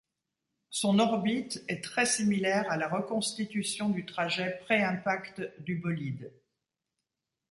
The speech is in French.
Son orbite est très similaire à la reconstitution du trajet pré-impact du bolide.